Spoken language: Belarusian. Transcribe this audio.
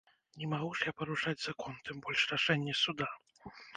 Не магу ж я парушаць закон, тым больш, рашэнне суда.